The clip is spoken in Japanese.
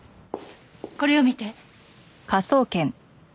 これを見て。